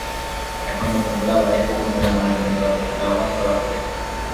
এখন নতুন করে আবার সেতু পুনর্নির্মাণের জন্য দরপত্র আহ্বান করা হবে।